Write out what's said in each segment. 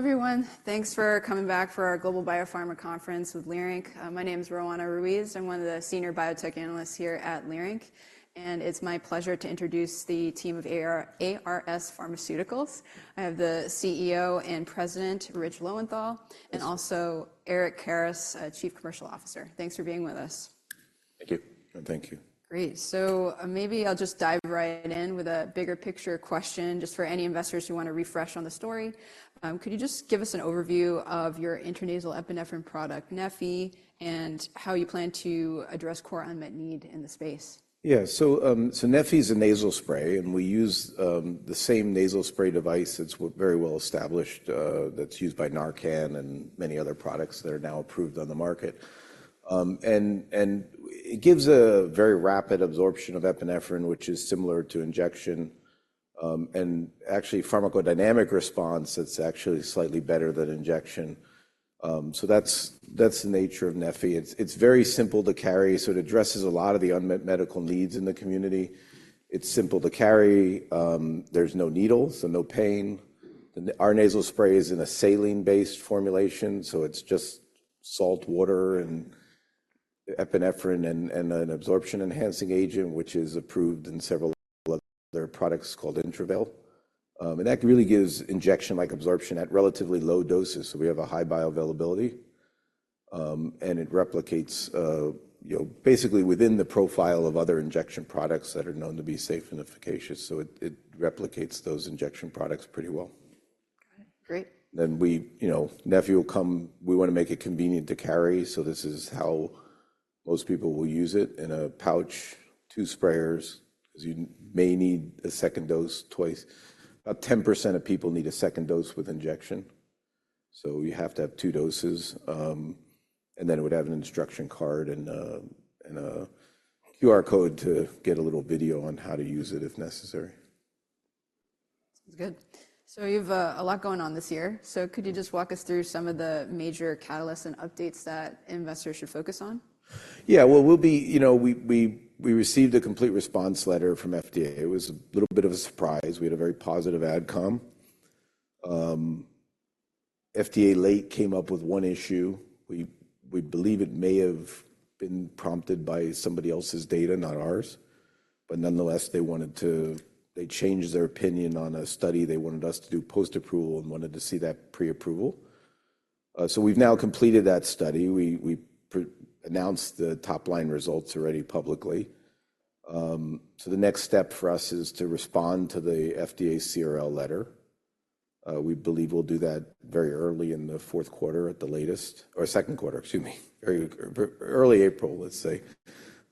Okay. Hello everyone. Thanks for coming back for our Global Biopharma Conference with Leerink. My name is Roanna Ruiz. I'm one of the senior biotech analysts here at Leerink, and it's my pleasure to introduce the team of ARS Pharmaceuticals. I have the CEO and President, Rich Lowenthal, and also Eric Karas, Chief Commercial Officer. Thanks for being with us. Thank you. Thank you. Great. Maybe I'll just dive right in with a bigger picture question just for any investors who want to refresh on the story. Could you just give us an overview of your intranasal epinephrine product, neffy, and how you plan to address core unmet need in the space? Yeah. So neffy is a nasal spray, and we use the same nasal spray device. It's very well established. That's used by NARCAN and many other products that are now approved on the market. And it gives a very rapid absorption of epinephrine, which is similar to injection. And actually pharmacodynamic response, it's actually slightly better than injection. So that's the nature of neffy. It's very simple to carry. So it addresses a lot of the unmet medical needs in the community. It's simple to carry. There's no needles, so no pain. Our nasal spray is in a saline-based formulation, so it's just salt, water, and epinephrine and an absorption-enhancing agent, which is approved in several other products called Intravail. And that really gives injection-like absorption at relatively low doses. So we have a high bioavailability. It replicates basically within the profile of other injection products that are known to be safe and efficacious. It replicates those injection products pretty well. Got it. Great. Then neffy will come. We want to make it convenient to carry. So this is how most people will use it in a pouch, two sprayers, because you may need a second dose twice. About 10% of people need a second dose with injection. So you have to have two doses. And then it would have an instruction card and a QR code to get a little video on how to use it if necessary. Sounds good. You have a lot going on this year. Could you just walk us through some of the major catalysts and updates that investors should focus on? Yeah. Well, we received a complete response letter from FDA. It was a little bit of a surprise. We had a very positive AdCom. FDA staff came up with one issue. We believe it may have been prompted by somebody else's data, not ours. But nonetheless, they wanted to; they changed their opinion on a study. They wanted us to do post-approval and wanted to see that pre-approval. So we've now completed that study. We announced the top-line results already publicly. So the next step for us is to respond to the FDA CRL letter. We believe we'll do that very early in the fourth quarter at the latest or second quarter, excuse me. Early April, let's say.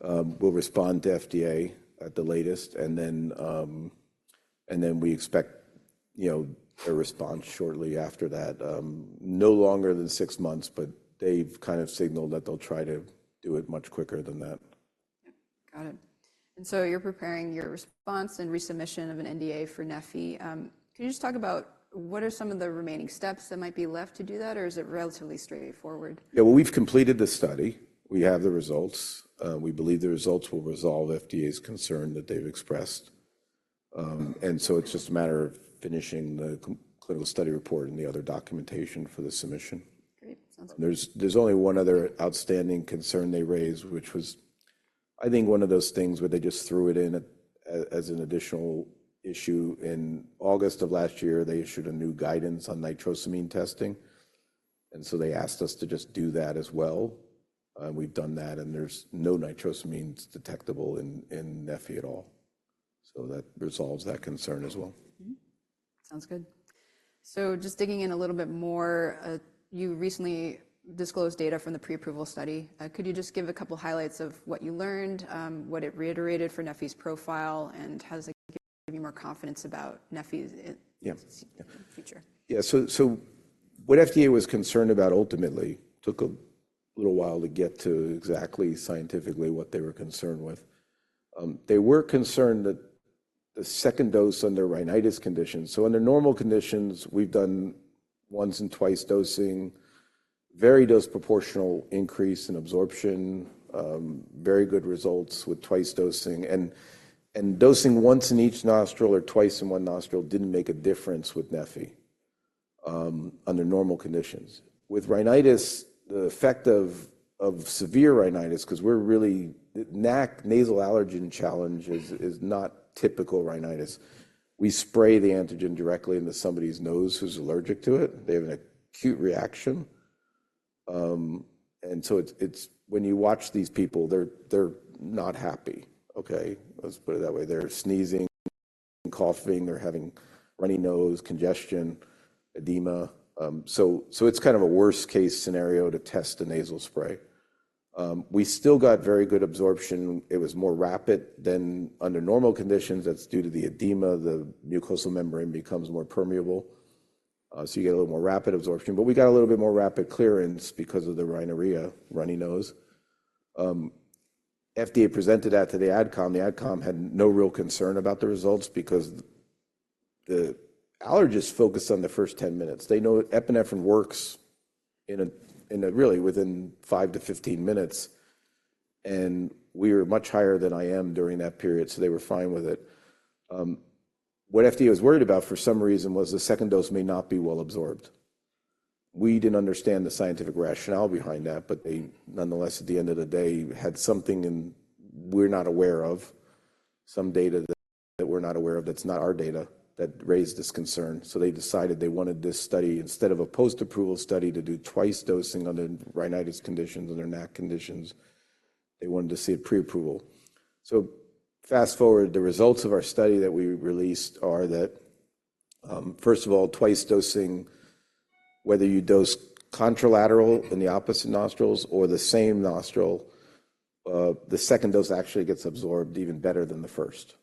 We'll respond to FDA at the latest, and then we expect a response shortly after that. No longer than six months, but they've kind of signaled that they'll try to do it much quicker than that. Yeah. Got it. So you're preparing your response and resubmission of an NDA for neffy. Can you just talk about what are some of the remaining steps that might be left to do that, or is it relatively straightforward? Yeah. Well, we've completed the study. We have the results. We believe the results will resolve FDA's concern that they've expressed. So it's just a matter of finishing the clinical study report and the other documentation for the submission. Great. Sounds good. There's only one other outstanding concern they raised, which was I think one of those things where they just threw it in as an additional issue. In August of last year, they issued a new guidance on nitrosamine testing. And so they asked us to just do that as well. And we've done that, and there's no nitrosamines detectable in neffy at all. So that resolves that concern as well. Sounds good. Just digging in a little bit more, you recently disclosed data from the pre-approval study. Could you just give a couple of highlights of what you learned, what it reiterated for neffy's profile, and has it given you more confidence about neffy's future? Yeah. Yeah. So what FDA was concerned about ultimately took a little while to get to exactly scientifically what they were concerned with. They were concerned that the second dose under rhinitis conditions, so under normal conditions, we've done once and twice dosing. Very dose proportional increase in absorption. Very good results with twice dosing. And dosing once in each nostril or twice in one nostril didn't make a difference with neffy under normal conditions. With rhinitis, the effect of severe rhinitis because we're really nasal allergen challenge is not typical rhinitis. We spray the antigen directly into somebody's nose who's allergic to it. They have an acute reaction. And so when you watch these people, they're not happy. Okay? Let's put it that way. They're sneezing, coughing. They're having runny nose, congestion, edema. So it's kind of a worst-case scenario to test a nasal spray. We still got very good absorption. It was more rapid than under normal conditions. That's due to the edema. The mucosal membrane becomes more permeable. So you get a little more rapid absorption. But we got a little bit more rapid clearance because of the rhinorrhea, runny nose. FDA presented that to the AdCom. The AdCom had no real concern about the results because the allergists focused on the first 10 minutes. They know epinephrine works really within five to 15 minutes. And we were much higher than I am during that period, so they were fine with it. What FDA was worried about for some reason was the second dose may not be well absorbed. We didn't understand the scientific rationale behind that, but they nonetheless, at the end of the day, had something we're not aware of. Some data that we're not aware of that's not our data that raised this concern. So they decided they wanted this study instead of a post-approval study to do twice dosing under rhinitis conditions under NAC conditions, they wanted to see a pre-approval. So fast forward, the results of our study that we released are that, first of all, twice dosing, whether you dose contralateral in the opposite nostrils or the same nostril, the second dose actually gets absorbed even better than the first.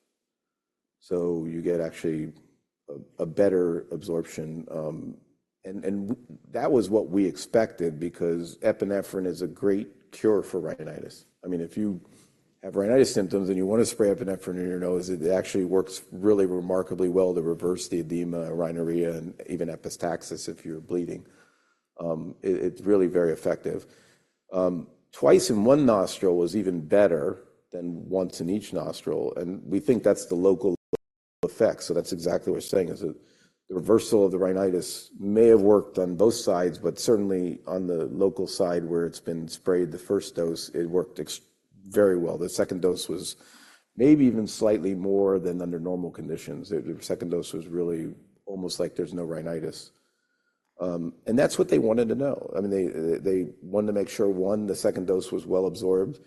So you get actually a better absorption. And that was what we expected because epinephrine is a great cure for rhinitis. I mean, if you have rhinitis symptoms and you want to spray epinephrine in your nose, it actually works really remarkably well to reverse the edema, rhinorrhea, and even epistaxis if you're bleeding. It's really very effective. Twice in one nostril was even better than once in each nostril. We think that's the local effect. So that's exactly what we're saying is that the reversal of the rhinitis may have worked on both sides, but certainly on the local side where it's been sprayed the first dose, it worked very well. The second dose was maybe even slightly more than under normal conditions. The second dose was really almost like there's no rhinitis. And that's what they wanted to know. I mean, they wanted to make sure, one, the second dose was well absorbed.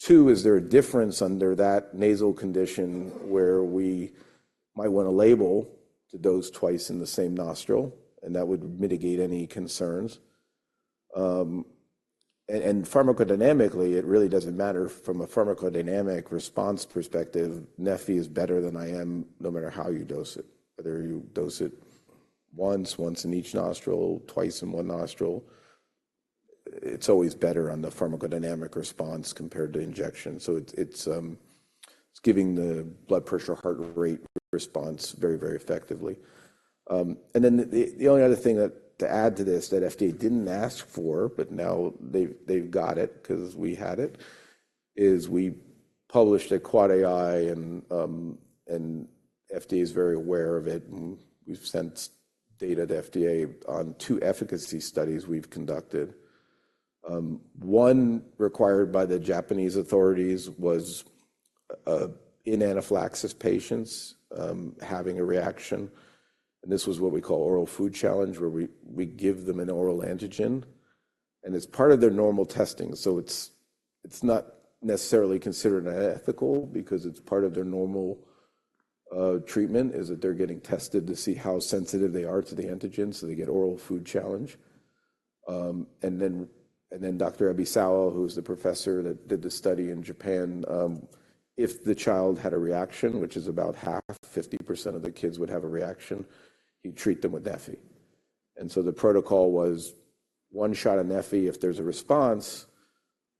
Two, is there a difference under that nasal condition where we might want to label to dose twice in the same nostril? And that would mitigate any concerns. And pharmacodynamically, it really doesn't matter. From a pharmacodynamic response perspective, neffy is better than IM no matter how you dose it. Whether you dose it once, once in each nostril, twice in one nostril, it's always better on the pharmacodynamic response compared to injection. So it's giving the blood pressure heart rate response very, very effectively. And then the only other thing to add to this that FDA didn't ask for, but now they've got it because we had it, is we published at QuadAI, and FDA is very aware of it. And we've sent data to FDA on two efficacy studies we've conducted. One required by the Japanese authorities was in anaphylaxis patients having a reaction. And this was what we call oral food challenge where we give them an oral antigen. And it's part of their normal testing. So it's not necessarily considered unethical because it's part of their normal treatment is that they're getting tested to see how sensitive they are to the antigen. They get oral food challenge. Then Dr. Ebisawa, who was the professor that did the study in Japan, if the child had a reaction, which is about half, 50% of the kids would have a reaction, he'd treat them with neffy. Then the protocol was one shot of neffy. If there's a response,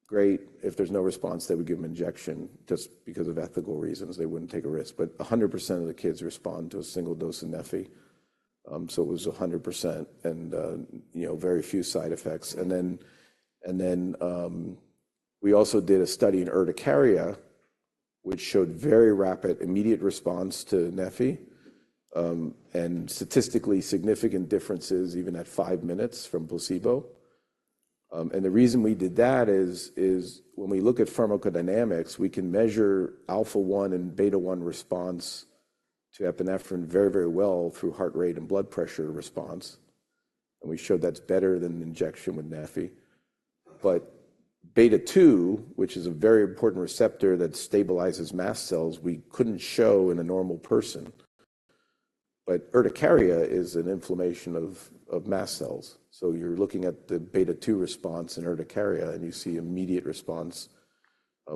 great. If there's no response, they would give an injection just because of ethical reasons. They wouldn't take a risk. 100% of the kids respond to a single dose of neffy. It was 100% and very few side effects. Then we also did a study in urticaria, which showed very rapid, immediate response to neffy and statistically significant differences even at five minutes from placebo. The reason we did that is when we look at pharmacodynamics, we can measure alpha-1 and beta-1 response to epinephrine very, very well through heart rate and blood pressure response. We showed that's better than injection with neffy. Beta-2, which is a very important receptor that stabilizes mast cells, we couldn't show in a normal person. Urticaria is an inflammation of mast cells. You're looking at the beta-2 response in urticaria, and you see immediate response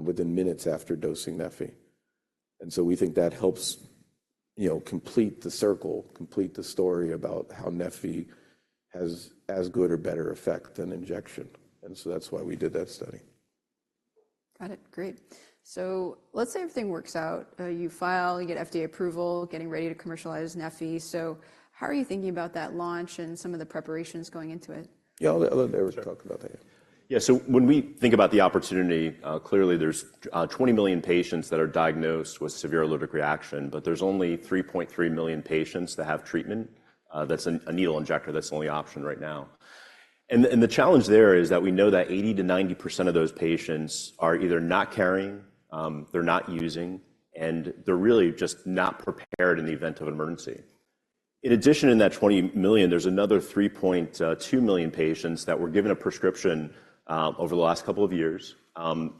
within minutes after dosing neffy. We think that helps complete the circle, complete the story about how neffy has as good or better effect than injection. That's why we did that study. Got it. Great. So let's say everything works out. You file. You get FDA approval, getting ready to commercialize neffy. So how are you thinking about that launch and some of the preparations going into it? Yeah. I'll let Eric talk about that. Yeah. So when we think about the opportunity, clearly there's 20 million patients that are diagnosed with severe allergic reaction, but there's only 3.3 million patients that have treatment. That's a needle injector. That's the only option right now. And the challenge there is that we know that 80%-90% of those patients are either not carrying, they're not using, and they're really just not prepared in the event of an emergency. In addition, in that 20 million, there's another 3.2 million patients that were given a prescription over the last couple of years.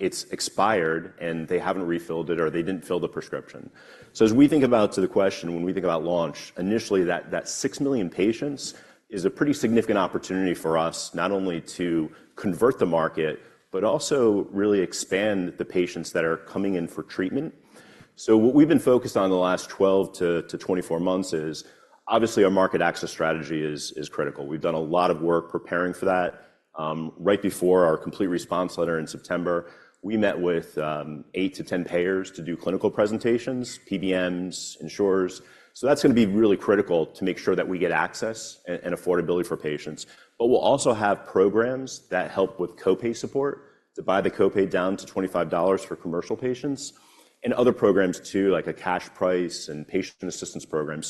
It's expired, and they haven't refilled it or they didn't fill the prescription. So as we think about to the question, when we think about launch, initially, that six million patients is a pretty significant opportunity for us not only to convert the market, but also really expand the patients that are coming in for treatment. What we've been focused on the last 12-24 months is obviously our market access strategy is critical. We've done a lot of work preparing for that. Right before our complete response letter in September, we met with eight to 10 payers to do clinical presentations, PBMs, insurers. So that's going to be really critical to make sure that we get access and affordability for patients. But we'll also have programs that help with copay support to buy the copay down to $25 for commercial patients and other programs too, like a cash price and patient assistance program.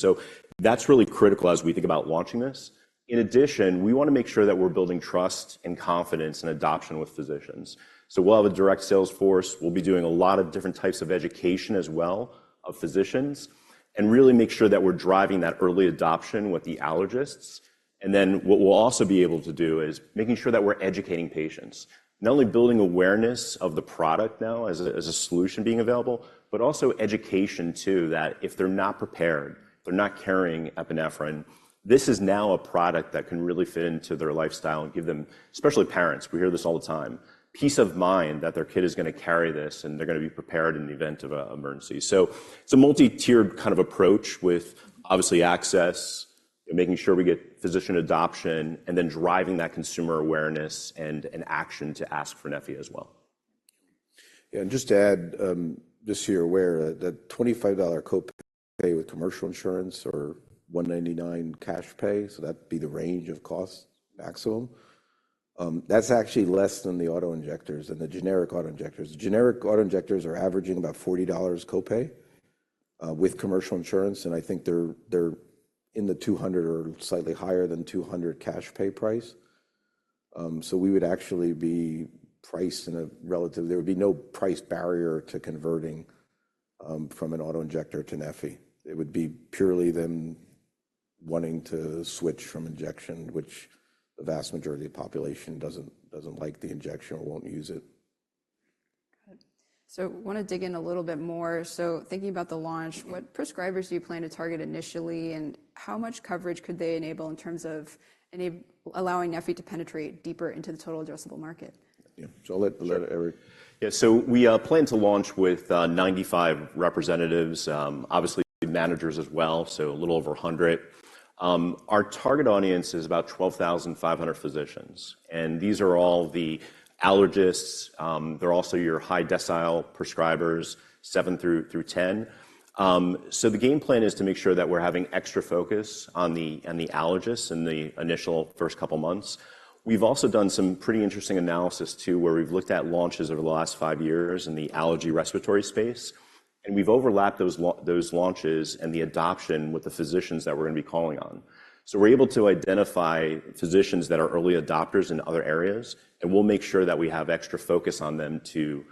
That's really critical as we think about launching this. In addition, we want to make sure that we're building trust and confidence and adoption with physicians. We'll have a direct sales force. We'll be doing a lot of different types of education as well of physicians and really make sure that we're driving that early adoption with the allergists. Then what we'll also be able to do is making sure that we're educating patients. Not only building awareness of the product now as a solution being available, but also education too that if they're not prepared, they're not carrying epinephrine, this is now a product that can really fit into their lifestyle and give them, especially parents, we hear this all the time, peace of mind that their kid is going to carry this and they're going to be prepared in the event of an emergency. So it's a multi-tiered kind of approach with obviously access, making sure we get physician adoption, and then driving that consumer awareness and action to ask for neffy as well. Yeah. And just to add, just so you're aware, that $25 copay with commercial insurance or $199 cash pay, so that'd be the range of costs maximum. That's actually less than the auto injectors, than the generic auto injectors. The generic auto injectors are averaging about $40 copay with commercial insurance. And I think they're in the $200 or slightly higher than $200 cash pay price. So we would actually be priced in a relative there would be no price barrier to converting from an auto injector to neffy. It would be purely them wanting to switch from injection, which the vast majority of the population doesn't like the injection or won't use it. Got it. So I want to dig in a little bit more. So thinking about the launch, what prescribers do you plan to target initially, and how much coverage could they enable in terms of allowing neffy to penetrate deeper into the total addressable market? Yeah. So I'll let Eric. Yeah. So we plan to launch with 95 representatives, obviously managers as well, so a little over 100. Our target audience is about 12,500 physicians. And these are all the allergists. They're also your high-decile prescribers, seven to 10. So the game plan is to make sure that we're having extra focus on the allergists in the initial first couple of months. We've also done some pretty interesting analysis too where we've looked at launches over the last five years in the allergy respiratory space. And we've overlapped those launches and the adoption with the physicians that we're going to be calling on. So we're able to identify physicians that are early adopters in other areas. And we'll make sure that we have extra focus on them to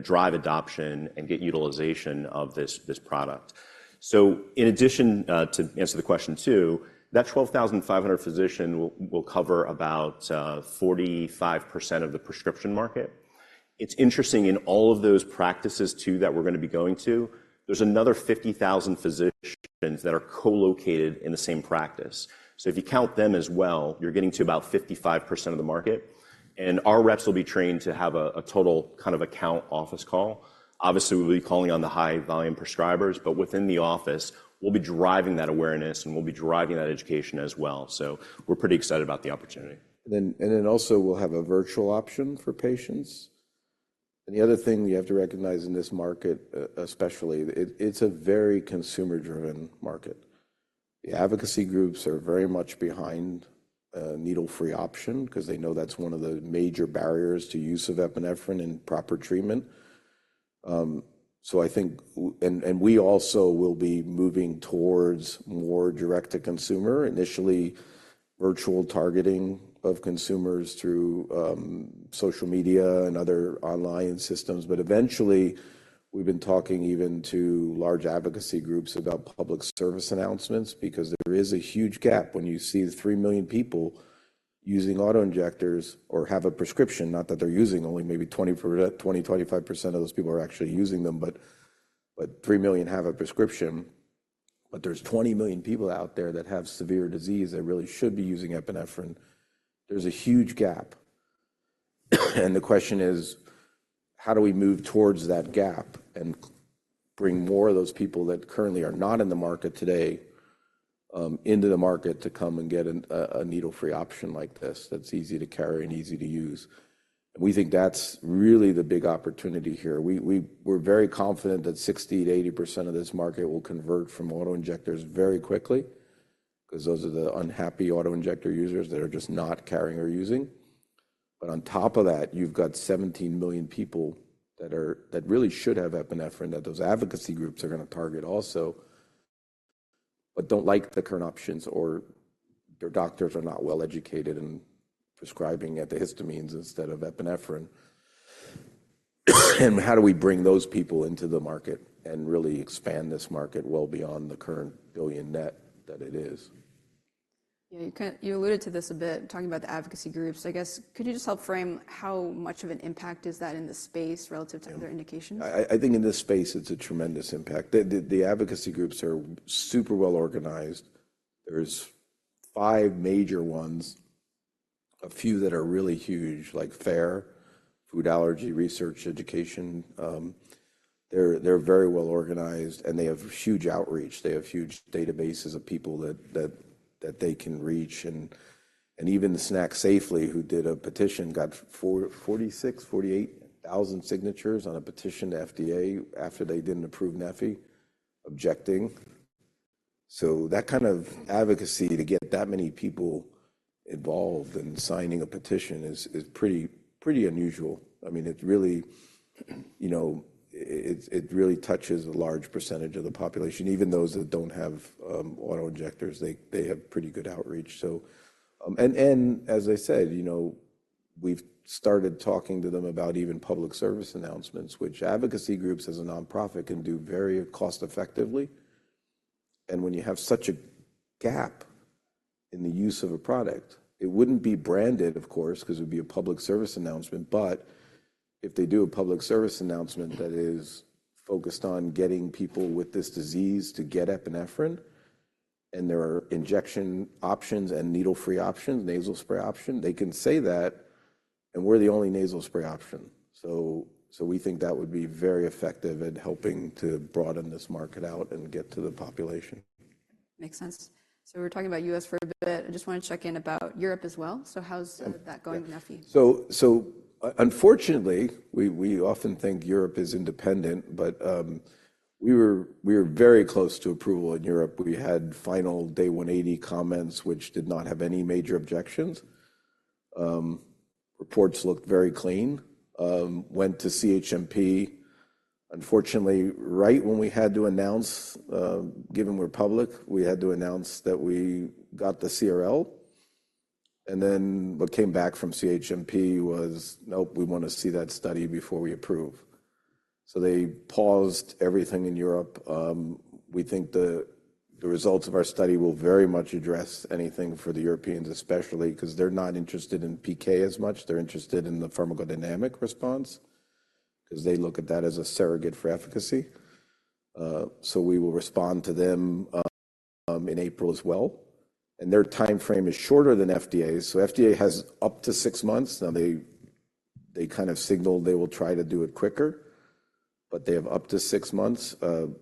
drive adoption and get utilization of this product. So in addition to answer the question too, that 12,500 physicians will cover about 45% of the prescription market. It's interesting in all of those practices too that we're going to be going to, there's another 50,000 physicians that are co-located in the same practice. So if you count them as well, you're getting to about 55% of the market. And our reps will be trained to have a total kind of account office call. Obviously, we'll be calling on the high-volume prescribers, but within the office, we'll be driving that awareness and we'll be driving that education as well. So we're pretty excited about the opportunity. And then also we'll have a virtual option for patients. And the other thing you have to recognize in this market especially, it's a very consumer-driven market. The advocacy groups are very much behind a needle-free option because they know that's one of the major barriers to use of epinephrine and proper treatment. We also will be moving towards more direct to consumer, initially virtual targeting of consumers through social media and other online systems. Eventually, we've been talking even to large advocacy groups about public service announcements because there is a huge gap when you see three million people using auto injectors or have a prescription, not that they're using, only maybe 20%-25% of those people are actually using them, but three million have a prescription. There's 20 million people out there that have severe disease that really should be using epinephrine. There's a huge gap. And the question is, how do we move towards that gap and bring more of those people that currently are not in the market today into the market to come and get a needle-free option like this that's easy to carry and easy to use? And we think that's really the big opportunity here. We're very confident that 60%-80% of this market will convert from auto injectors very quickly because those are the unhappy auto injector users that are just not carrying or using. But on top of that, you've got 17 million people that really should have epinephrine that those advocacy groups are going to target also, but don't like the current options or their doctors are not well educated in prescribing antihistamines instead of epinephrine. How do we bring those people into the market and really expand this market well beyond the current $1 billion net that it is? Yeah. You alluded to this a bit talking about the advocacy groups. I guess, could you just help frame how much of an impact is that in the space relative to other indications? I think in this space, it's a tremendous impact. The advocacy groups are super well organized. There's 5 major ones, a few that are really huge, like FARE, Food Allergy Research & Education. They're very well organized, and they have huge outreach. They have huge databases of people that they can reach. And even the SnackSafely, who did a petition, got 46,000-48,000 signatures on a petition to FDA after they didn't approve neffy objecting. So that kind of advocacy to get that many people involved in signing a petition is pretty unusual. I mean, it really touches a large percentage of the population. Even those that don't have auto injectors, they have pretty good outreach. And as I said, we've started talking to them about even public service announcements, which advocacy groups as a nonprofit can do very cost-effectively. When you have such a gap in the use of a product, it wouldn't be branded, of course, because it would be a public service announcement. If they do a public service announcement that is focused on getting people with this disease to get epinephrine and there are injection options and needle-free options, nasal spray option, they can say that, and we're the only nasal spray option. We think that would be very effective at helping to broaden this market out and get to the population. Makes sense. So we were talking about U.S. for a bit. I just want to check in about Europe as well. So how's that going with neffy? So unfortunately, we often think Europe is independent, but we were very close to approval in Europe. We had final day 180 comments, which did not have any major objections. Reports looked very clean. Went to CHMP. Unfortunately, right when we had to announce, given we're public, we had to announce that we got the CRL. Then what came back from CHMP was, "Nope, we want to see that study before we approve." So they paused everything in Europe. We think the results of our study will very much address anything for the Europeans, especially because they're not interested in PK as much. They're interested in the pharmacodynamic response because they look at that as a surrogate for efficacy. So we will respond to them in April as well. Their time frame is shorter than FDA's. So FDA has up to six months. Now, they kind of signaled they will try to do it quicker, but they have up to six months.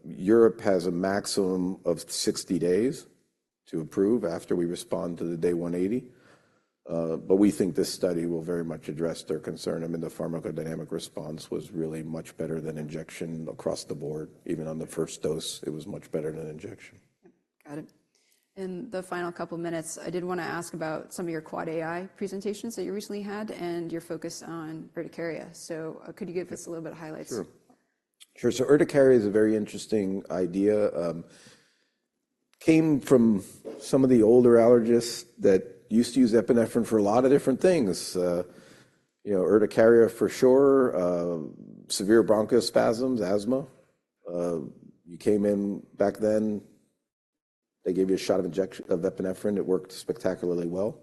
Europe has a maximum of 60 days to approve after we respond to the day 180. But we think this study will very much address their concern. I mean, the pharmacodynamic response was really much better than injection across the board. Even on the first dose, it was much better than injection. Got it. In the final couple of minutes, I did want to ask about some of your QuadAI presentations that you recently had and your focus on urticaria. So could you give us a little bit of highlights? Sure. Sure. So urticaria is a very interesting idea. Came from some of the older allergists that used to use epinephrine for a lot of different things. Urticaria for sure, severe bronchospasms, asthma. You came in back then, they gave you a shot of epinephrine. It worked spectacularly well.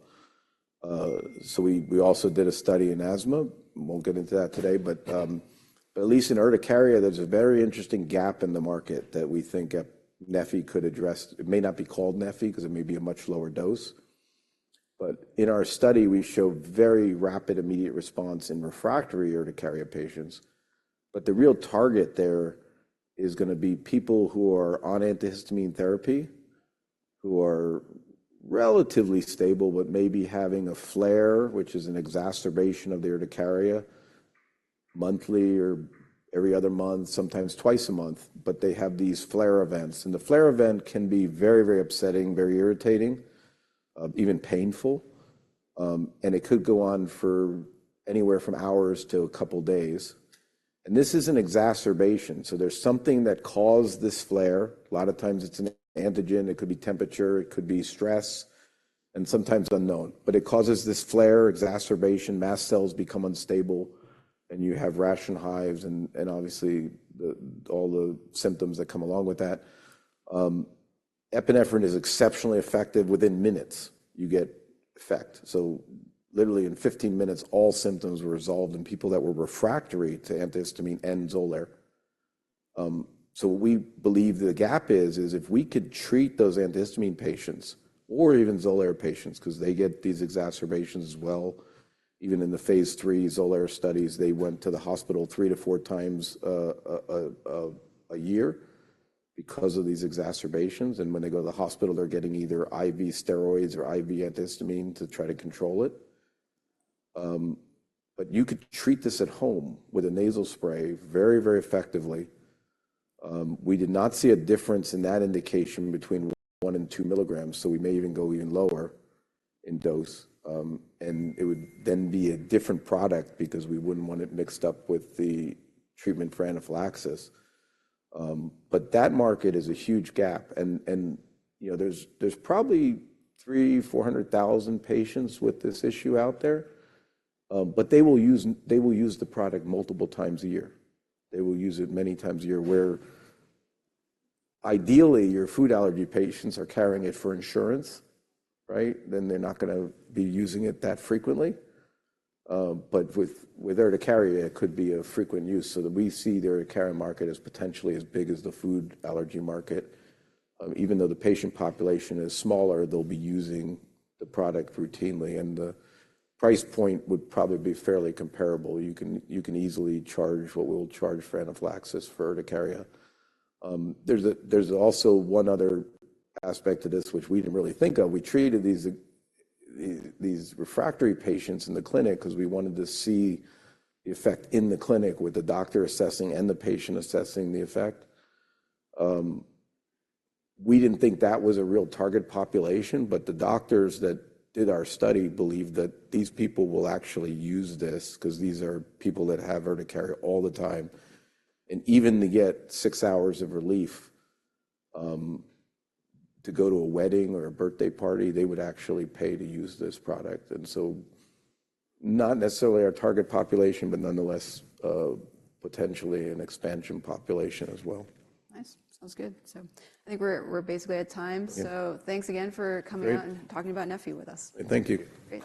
So we also did a study in asthma. We'll get into that today. But at least in urticaria, there's a very interesting gap in the market that we think neffy could address. It may not be called neffy because it may be a much lower dose. But in our study, we show very rapid, immediate response in refractory urticaria patients. But the real target there is going to be people who are on antihistamine therapy, who are relatively stable, but maybe having a flare, which is an exacerbation of the urticaria monthly or every other month, sometimes twice a month. But they have these flare events. The flare event can be very, very upsetting, very irritating, even painful. It could go on for anywhere from hours to a couple of days. This is an exacerbation. There's something that caused this flare. A lot of times, it's an antigen. It could be temperature. It could be stress and sometimes unknown. But it causes this flare, exacerbation. Mast cells become unstable, and you have rash and hives and obviously all the symptoms that come along with that. Epinephrine is exceptionally effective. Within minutes, you get effect. Literally in 15 minutes, all symptoms were resolved in people that were refractory to antihistamine and XOLAIR. So what we believe the gap is, is if we could treat those antihistamine patients or even Xolair patients because they get these exacerbations as well, even in the phase 3 Xolair studies, they went to the hospital three to four times a year because of these exacerbations. And when they go to the hospital, they're getting either IV steroids or IV antihistamine to try to control it. But you could treat this at home with a nasal spray very, very effectively. We did not see a difference in that indication between one and two milligrams. So we may even go even lower in dose. And it would then be a different product because we wouldn't want it mixed up with the treatment for anaphylaxis. But that market is a huge gap. And there's probably 300,000-400,000 patients with this issue out there. They will use the product multiple times a year. They will use it many times a year where ideally, your food allergy patients are carrying it for insurance, right? They're not going to be using it that frequently. With urticaria, it could be a frequent use. We see the urticaria market as potentially as big as the food allergy market. Even though the patient population is smaller, they'll be using the product routinely. The price point would probably be fairly comparable. You can easily charge what we'll charge for anaphylaxis for urticaria. There's also one other aspect to this, which we didn't really think of. We treated these refractory patients in the clinic because we wanted to see the effect in the clinic with the doctor assessing and the patient assessing the effect. We didn't think that was a real target population, but the doctors that did our study believed that these people will actually use this because these are people that have urticaria all the time. Even to get six hours of relief to go to a wedding or a birthday party, they would actually pay to use this product. So not necessarily our target population, but nonetheless, potentially an expansion population as well. Nice. Sounds good. I think we're basically at time. Thanks again for coming out and talking about neffy with us. Thank you. Great.